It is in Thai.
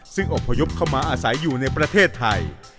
ซึ่งอบพยพเข้ามาอาศัยอยู่ในประเทศไทย